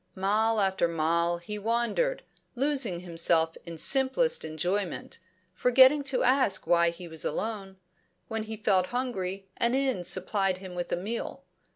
Mile after mile he wandered, losing himself in simplest enjoyment, forgetting to ask why he was alone. When he felt hungry, an inn supplied him with a meal.